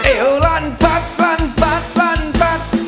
เอวลั่นปั๊บลั่นปั๊บลั่นปั๊บ